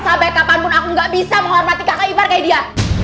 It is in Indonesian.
sampai kapanpun aku gak bisa menghormati kakak ibar kayak dia